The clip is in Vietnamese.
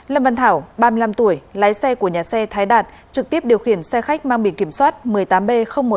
lâm văn thảo ba mươi năm tuổi lái xe của nhà xe thái đạt trực tiếp điều khiển xe khách mang biển kiểm soát một mươi tám b một nghìn chín trăm tám